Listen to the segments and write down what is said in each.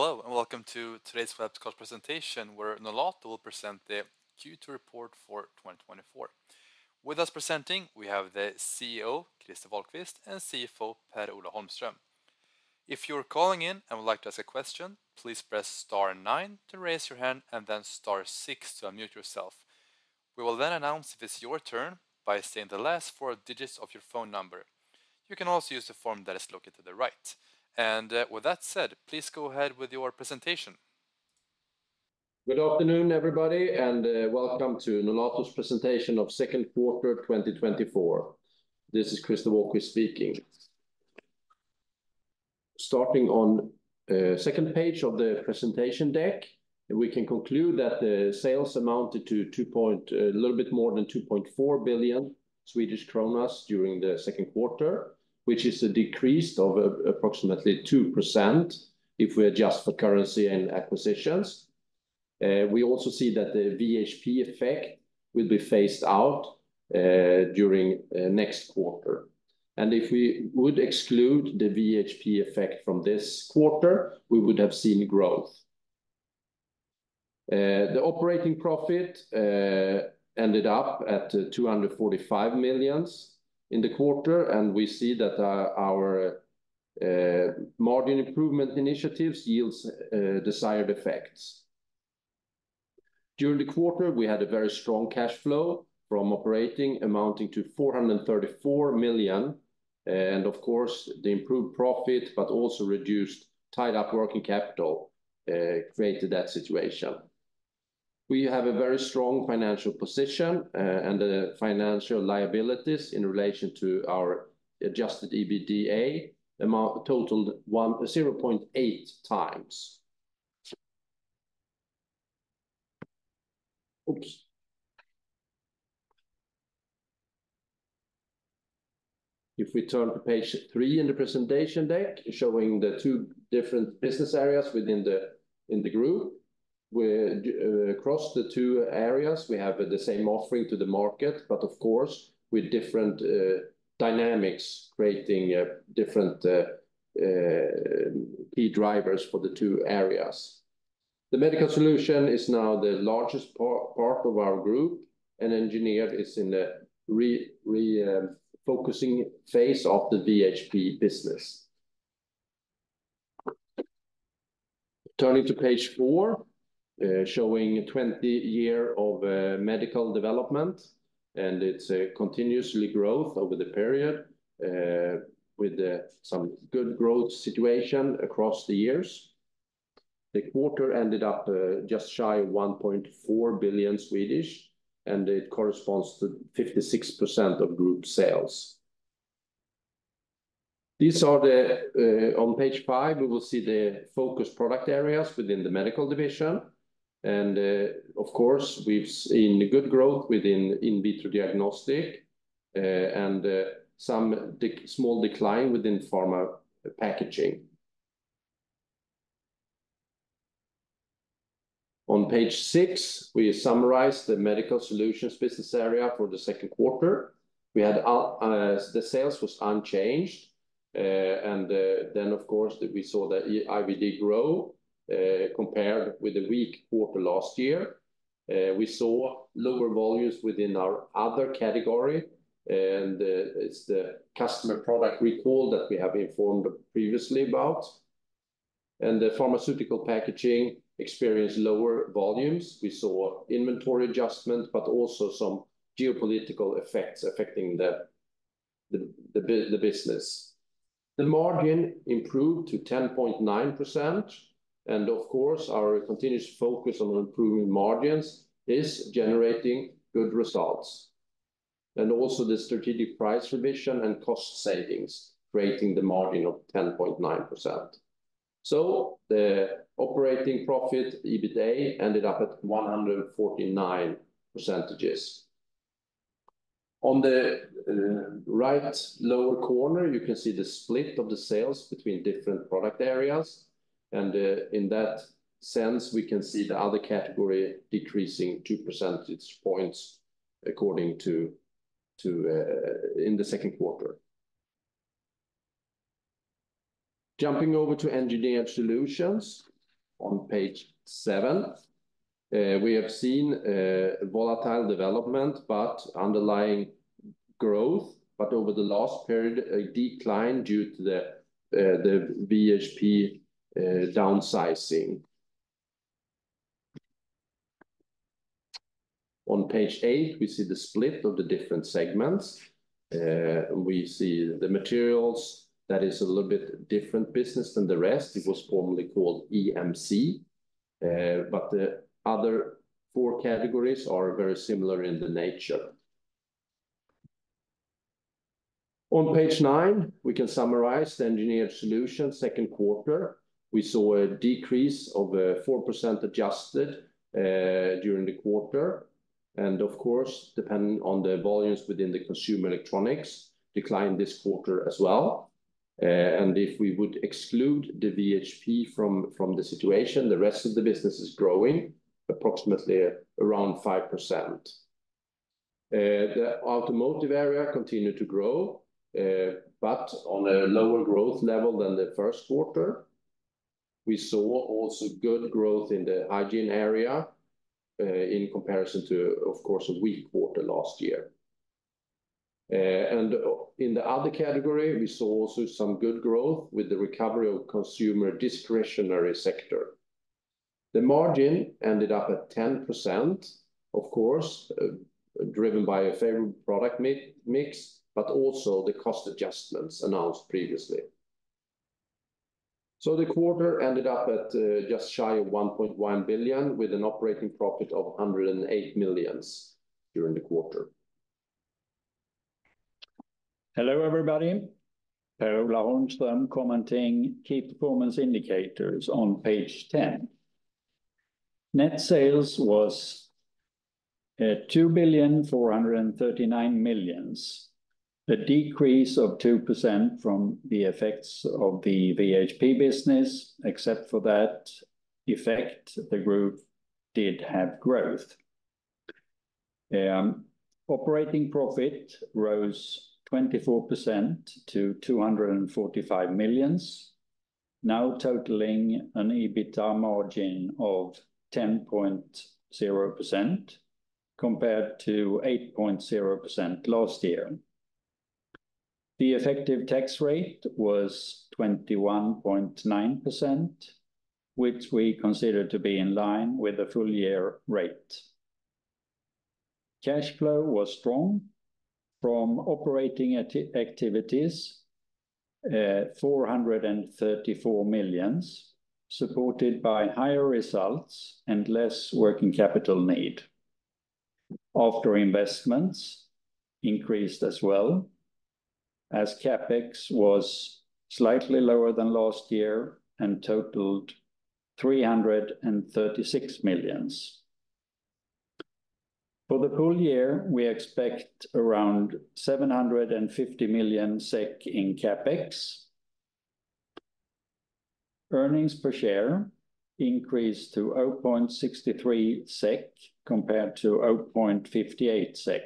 Hello, and welcome to today's web call presentation, where Nolato will present the Q2 report for 2024. With us presenting, we have the CEO, Christer Wahlquist, and CFO, Per-Ola Holmström. If you're calling in and would like to ask a question, please press star nine to raise your hand and then star six to unmute yourself. We will then announce it is your turn by saying the last four digits of your phone number. You can also use the form that is located to the right. And, with that said, please go ahead with your presentation. Good afternoon, everybody, and welcome to Nolato's presentation of second quarter 2024. This is Christer Wahlquist speaking. Starting on second page of the presentation deck, we can conclude that the sales amounted to a little bit more than 2.4 billion Swedish kronor during the second quarter, which is a decrease of approximately 2% if we adjust for currency and acquisitions. We also see that the VHP effect will be phased out during next quarter. And if we would exclude the VHP effect from this quarter, we would have seen growth. The operating profit ended up at 245 million SEK in the quarter, and we see that our margin improvement initiatives yields desired effects. During the quarter, we had a very strong cash flow from operating, amounting to 434 million, and of course, the improved profit, but also reduced tied-up working capital, created that situation. We have a very strong financial position, and the financial liabilities in relation to our adjusted EBITA amount totaled 0.8 times. Oops! If we turn to page three in the presentation deck, showing the two different business areas within the, in the group. We're, across the two areas, we have the same offering to the market, but of course, with different dynamics, creating different key drivers for the two areas. The Medical Solutions is now the largest part of our group, and Engineered Solutions is in a refocusing phase of the VHP business. Turning to page four, showing 20-year of medical development, and it's continuous growth over the period, with some good growth situation across the years. The quarter ended up just shy of 1.4 billion, and it corresponds to 56% of group sales. These are the on page five, we will see the focus product areas within the medical division, and, of course, we've seen good growth within in vitro diagnostic, and some small decline within pharma packaging. On page six, we summarize the Medical Solutions business area for the second quarter. We had the sales was unchanged, and then, of course, we saw the IVD grow compared with the weak quarter last year. We saw lower volumes within our other category, and it's the customer product recall that we have informed previously about. The pharmaceutical packaging experienced lower volumes. We saw inventory adjustment, but also some geopolitical effects affecting the business. The margin improved to 10.9%, and of course, our continuous focus on improving margins is generating good results. Also, the strategic price revision and cost savings, creating the margin of 10.9%. The operating profit, EBITDA, ended up at 149%. On the right lower corner, you can see the split of the sales between different product areas, and in that sense, we can see the other category decreasing 2 percentage points according to, in the second quarter. Jumping over to Engineered Solutions on page 7, we have seen, volatile development, but underlying growth, but over the last period, a decline due to the, the VHP downsizing. On page 8, we see the split of the different segments. We see the materials. That is a little bit different business than the rest. It was formerly called EMC, but the other four categories are very similar in the nature. On page 9, we can summarize the Engineered Solutions second quarter. We saw a decrease of, 4% adjusted, during the quarter, and of course, depending on the volumes within the consumer electronics, declined this quarter as well. And if we would exclude the VHP from the situation, the rest of the business is growing approximately around 5%.... The automotive area continued to grow, but on a lower growth level than the first quarter. We saw also good growth in the hygiene area, in comparison to, of course, a weak quarter last year. And in the other category, we saw also some good growth with the recovery of consumer discretionary sector. The margin ended up at 10%, of course, driven by a favorable product mix, but also the cost adjustments announced previously. So the quarter ended up at, just shy of 1.1 billion, with an operating profit of 108 million during the quarter. Hello, everybody. Per-Ola Holmström, commenting key performance indicators on page 10. Net sales was 2,439 million, a decrease of 2% from the effects of the VHP business. Except for that effect, the group did have growth. Operating profit rose 24% to 245 million, now totaling an EBITA margin of 10.0%, compared to 8.0% last year. The effective tax rate was 21.9%, which we consider to be in line with the full year rate. Cash flow was strong from operating activities, 434 million, supported by higher results and less working capital need. After investments increased as well, as CapEx was slightly lower than last year and totaled 336 million. For the full year, we expect around 750 million SEK in CapEx. Earnings per share increased to 0.63 SEK compared to 0.58 SEK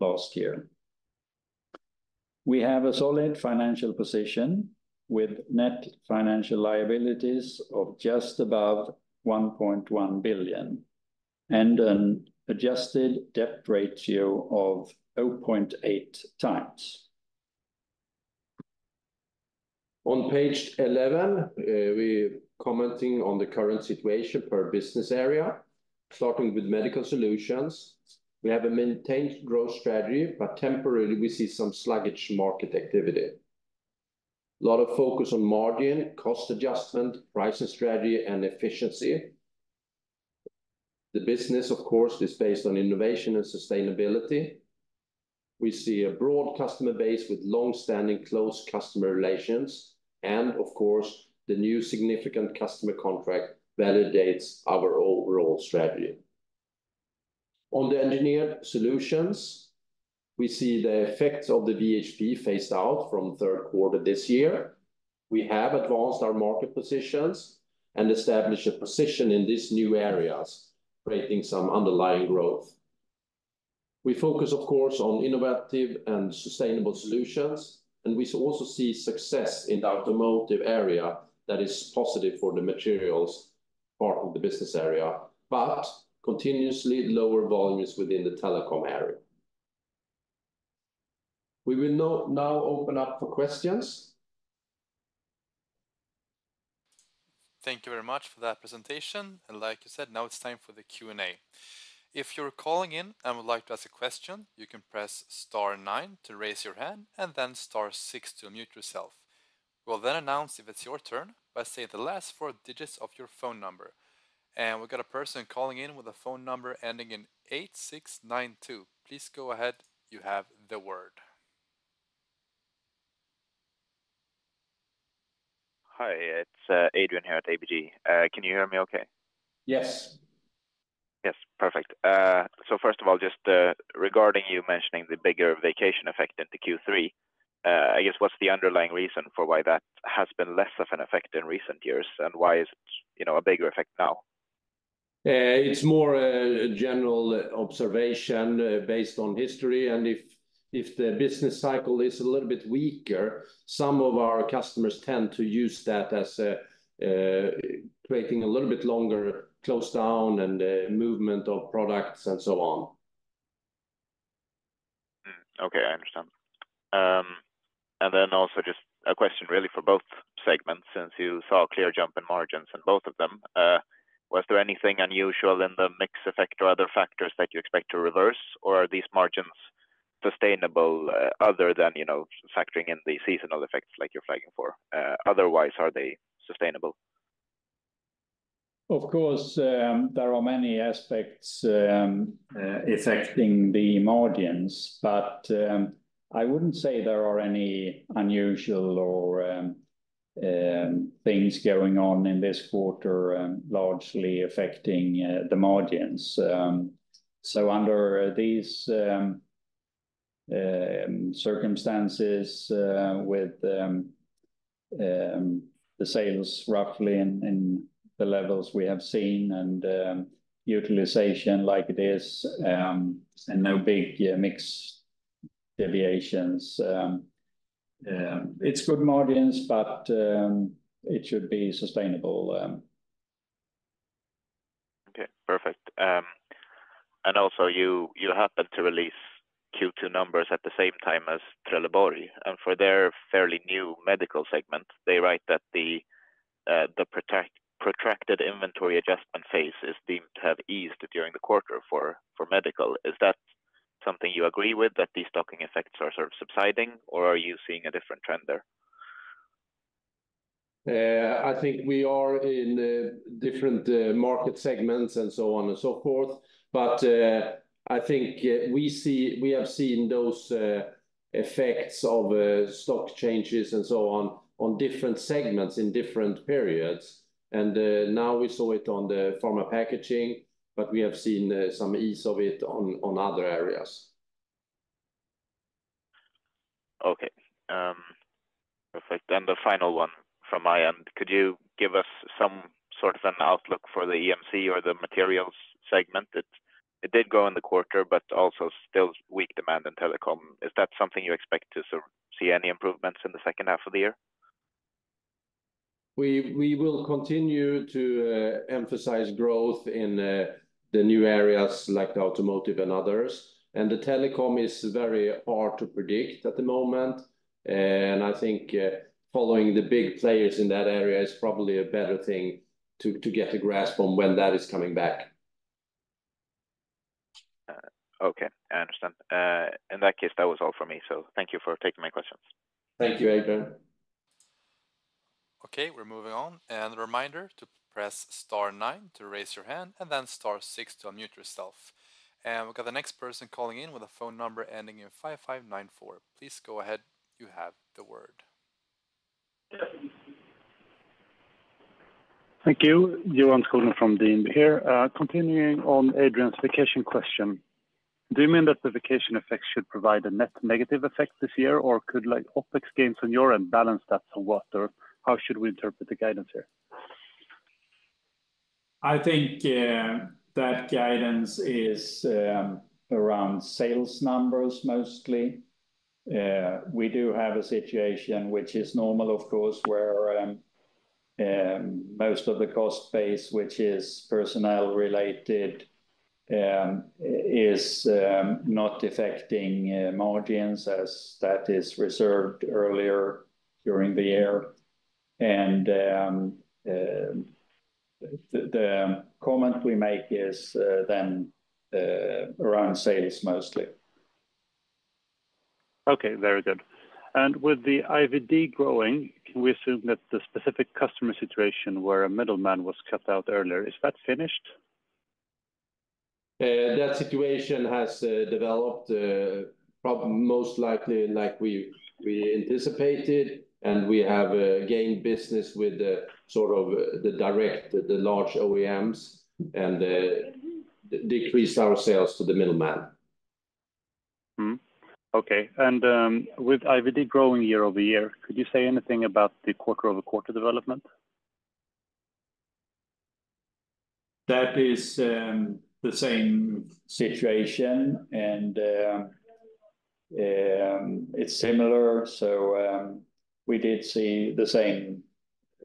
last year. We have a solid financial position, with net financial liabilities of just above 1.1 billion, and an adjusted debt ratio of 0.8 times. On page eleven, we're commenting on the current situation per business area, starting with Medical Solutions. We have a maintained growth strategy, but temporarily we see some sluggish market activity. A lot of focus on margin, cost adjustment, pricing strategy, and efficiency. The business, of course, is based on innovation and sustainability. We see a broad customer base with long-standing close customer relations, and of course, the new significant customer contract validates our overall strategy. On the Engineered Solutions, we see the effects of the VHP phased out from third quarter this year. We have advanced our market positions and established a position in these new areas, creating some underlying growth. We focus, of course, on innovative and sustainable solutions, and we also see success in the automotive area that is positive for the materials part of the business area, but continuously lower volumes within the telecom area. We will now open up for questions. Thank you very much for that presentation. Like you said, now it's time for the Q&A. If you're calling in and would like to ask a question, you can press star nine to raise your hand and then star six to mute yourself. We'll then announce if it's your turn by saying the last four digits of your phone number. We've got a person calling in with a phone number ending in eight six nine two. Please go ahead. You have the word. Hi, it's Adrian here at ABG. Can you hear me okay? Yes. Yes. Perfect. So first of all, just, regarding you mentioning the bigger vacation effect into Q3, I guess, what's the underlying reason for why that has been less of an effect in recent years? And why is it, you know, a bigger effect now? It's more a general observation based on history, and if the business cycle is a little bit weaker, some of our customers tend to use that as a creating a little bit longer close down and a movement of products, and so on. Okay, I understand. And then also just a question, really, for both segments, since you saw a clear jump in margins in both of them. Was there anything unusual in the mix effect or other factors that you expect to reverse, or are these margins sustainable, other than, you know, factoring in the seasonal effects like you're flagging for? Otherwise, are they sustainable? Of course, there are many aspects affecting the margins, but I wouldn't say there are any unusual or things going on in this quarter largely affecting the margins. So under these circumstances with the sales roughly in the levels we have seen, and utilization like it is, and no big mix deviations. It's good margins, but it should be sustainable. Okay, perfect. And also, you, you happen to release Q2 numbers at the same time as Trelleborg, and for their fairly new medical segment, they write that the protracted inventory adjustment phase is deemed to have eased during the quarter for medical. Is that something you agree with, that destocking effects are sort of subsiding, or are you seeing a different trend there? I think we are in different market segments and so on and so forth. But I think we have seen those effects of stock changes and so on, on different segments in different periods. And now we saw it on the pharma packaging, but we have seen some ease of it on other areas. Okay. Perfect. Then the final one from my end. Could you give us some sort of an outlook for the EMC or the materials segment? It, it did go in the quarter, but also still weak demand in telecom. Is that something you expect to sort of see any improvements in the second half of the year? We will continue to emphasize growth in the new areas like automotive and others. And the telecom is very hard to predict at the moment. And I think following the big players in that area is probably a better thing to get a grasp on when that is coming back. Okay, I understand. In that case, that was all for me, so thank you for taking my questions. Thank you, Adrian. Okay, we're moving on. A reminder to press star nine to raise your hand, and then star six to unmute yourself. We've got the next person calling in with a phone number ending in 5594. Please go ahead. You have the word. Thank you. Johan Skålén from DNB here. Continuing on Adrian's vacation question, do you mean that the vacation effect should provide a net negative effect this year, or could, like, OpEx gains on your end balance that somewhat, or how should we interpret the guidance here? I think that guidance is around sales numbers, mostly. We do have a situation which is normal, of course, where most of the cost base, which is personnel related, is not affecting margins as that is reserved earlier during the year. And the comment we make is then around sales mostly. Okay, very good. With the IVD growing, can we assume that the specific customer situation where a middleman was cut out earlier, is that finished? That situation has developed, most likely like we anticipated, and we have gained business with the sort of the direct, the large OEMs, and decreased our sales to the middleman. Mm-hmm. Okay. And, with IVD growing year-over-year, could you say anything about the quarter-over-quarter development? That is, the same situation, and, it's similar. So, we did see the same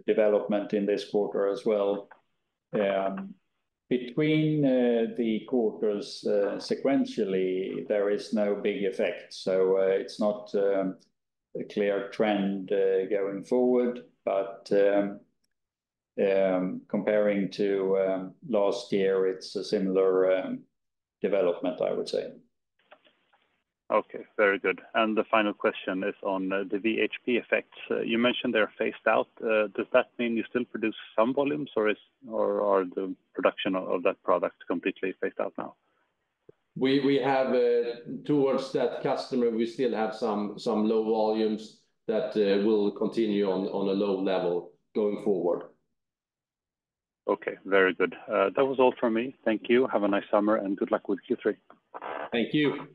development in this quarter as well. Between the quarters, sequentially, there is no big effect. So, it's not a clear trend going forward, but comparing to last year, it's a similar development, I would say. Okay, very good. And the final question is on the VHP effects. You mentioned they're phased out. Does that mean you still produce some volumes, or is... or, are the production of, of that product completely phased out now? We have, towards that customer, we still have some low volumes that will continue on a low level going forward. Okay. Very good. That was all from me. Thank you. Have a nice summer, and good luck with Q3. Thank you.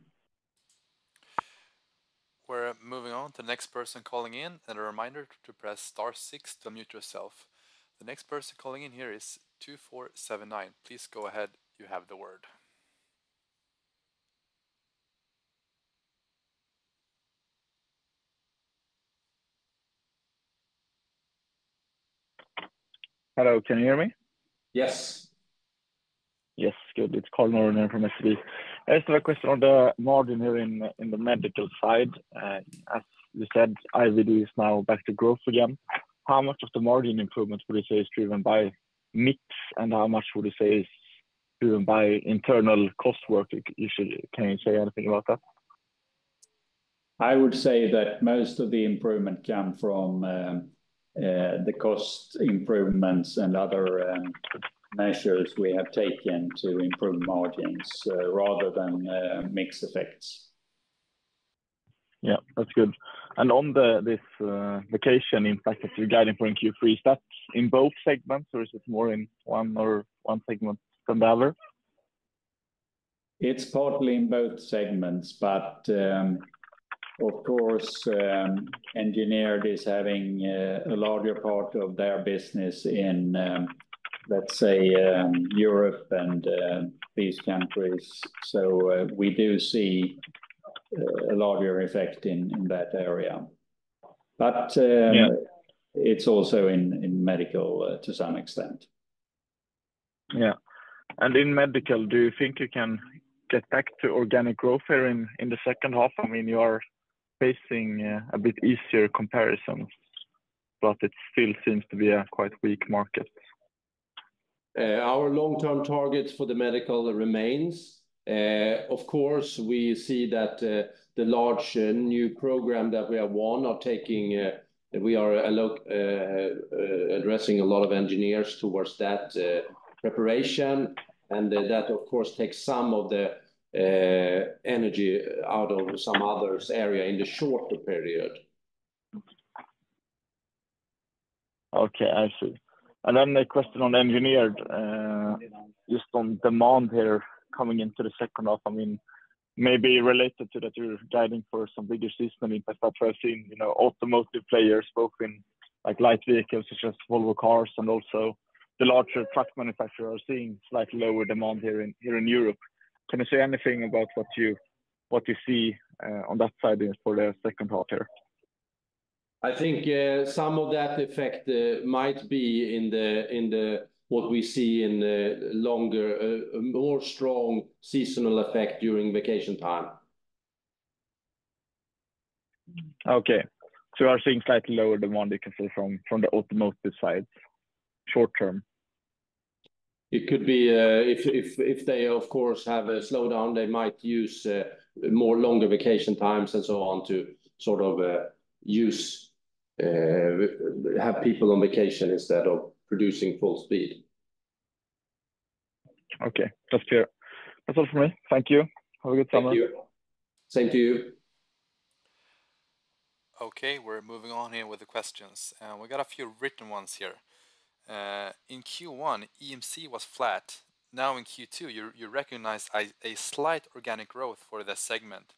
We're moving on to the next person calling in, and a reminder to press star six to unmute yourself. The next person calling in here is 2479. Please go ahead. You have the word. Hello, can you hear me? Yes. Yes, good. It's Karl Norén from SEB. I just have a question on the margin here in, in the medical side. As you said, IVD is now back to growth again. How much of the margin improvement would you say is driven by mix, and how much would you say is driven by internal cost work, usually? Can you say anything about that? I would say that most of the improvement come from the cost improvements and other measures we have taken to improve margins, rather than mix effects. Yeah, that's good. And on this vacation, in fact, if you're guiding for in Q3, is that in both segments, or is it more in one or one segment than the other? It's partly in both segments, but, of course, Engineered is having a larger part of their business in, let's say, Europe and these countries. So, we do see a larger effect in that area. But, Yeah it's also in medical, to some extent. Yeah. And in medical, do you think you can get back to organic growth here in the second half? I mean, you are facing a bit easier comparisons, but it still seems to be a quite weak market. Our long-term targets for the medical remains. Of course, we see that the large new program that we have won are taking, we are addressing a lot of engineers towards that preparation. And that, of course, takes some of the energy out of some others area in the shorter period. Okay, I see. Then the question on engineered, just on demand here coming into the second half, I mean, maybe related to that, you're guiding for some bigger system impact that we're seeing. You know, automotive players spoken, like light vehicles, such as Volvo Cars and also the larger truck manufacturer are seeing slightly lower demand here in, here in Europe. Can you say anything about what you, what you see, on that side for the second half here? I think some of that effect might be in what we see in the longer, more strong seasonal effect during vacation time. Okay. So you are seeing slightly lower demand, you can say, from the automotive side, short term? It could be if they, of course, have a slowdown, they might use more longer vacation times and so on to sort of use have people on vacation instead of producing full speed. Okay, that's clear. That's all for me. Thank you. Have a good summer. Thank you. Same to you. Okay, we're moving on here with the questions. We got a few written ones here. In Q1, EMC was flat. Now, in Q2, you recognized a slight organic growth for the segment.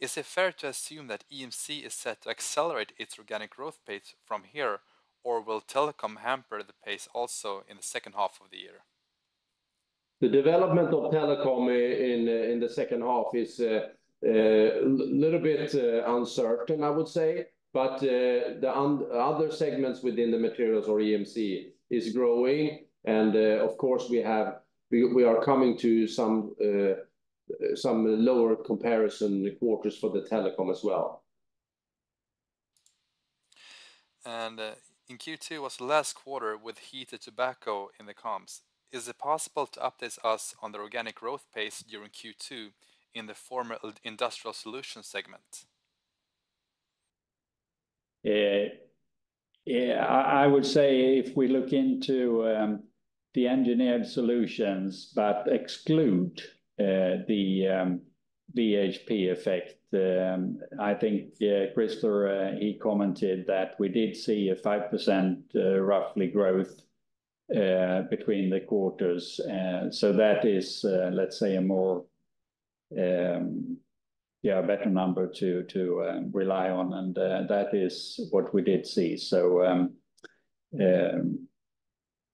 Is it fair to assume that EMC is set to accelerate its organic growth pace from here, or will telecom hamper the pace also in the second half of the year? The development of telecom in the second half is a little bit uncertain, I would say. But the other segments within the materials or EMC is growing. And of course, we are coming to some lower comparison quarters for the telecom as well. In Q2 was the last quarter with heated tobacco in the comps. Is it possible to update us on the organic growth pace during Q2 in the former Industrial Solutions segment? Yeah, I would say if we look into the Engineered Solutions, but exclude the VHP effect, I think, yeah, Christer, he commented that we did see a 5% roughly growth between the quarters. So that is, let's say, a more, yeah, a better number to rely on, and that is what we did see. So,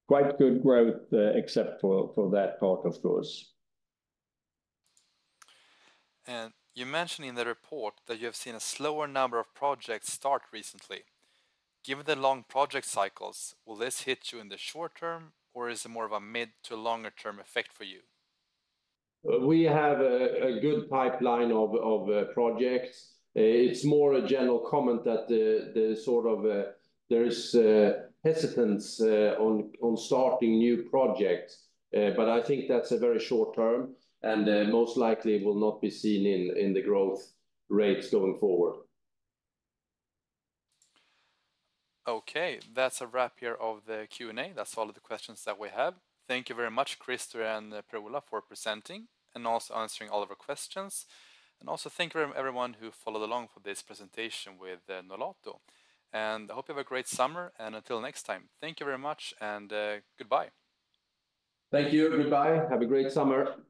quite good growth, except for that part, of course. You mentioned in the report that you have seen a slower number of projects start recently. Given the long project cycles, will this hit you in the short term, or is it more of a mid to longer term effect for you? We have a good pipeline of projects. It's more a general comment that the sort of there is hesitance on starting new projects. But I think that's a very short term, and most likely will not be seen in the growth rates going forward. Okay, that's a wrap here of the Q&A. That's all of the questions that we have. Thank you very much, Christer and Per-Ola, for presenting and also answering all of our questions. Also thank you very much everyone who followed along for this presentation with Nolato. I hope you have a great summer, and until next time, thank you very much, and goodbye. Thank you. Goodbye. Have a great summer.